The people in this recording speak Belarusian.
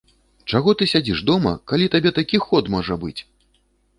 Чаго ты сядзіш дома, калі табе такі ход можа быць!